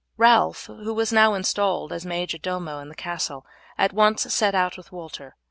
Ralph, who was now installed as major domo in the castle, at once set out with Walter.